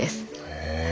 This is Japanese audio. へえ。